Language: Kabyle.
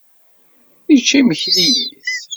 Yečča imekli-is.